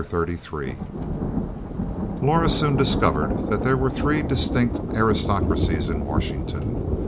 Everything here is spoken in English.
CHAPTER XXXIII. Laura soon discovered that there were three distinct aristocracies in Washington.